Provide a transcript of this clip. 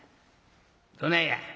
どないや？